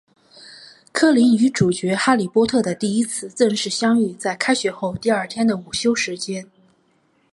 柯林与主角哈利波特的第一次正式相遇在开学后第二天的午休时间。